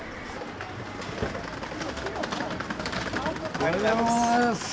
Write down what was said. おはようございます。